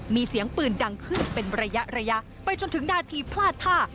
มีเสียงปืนดังขึ้นเป็นระยะระยะไปจนถึงนาทีพลาดท่า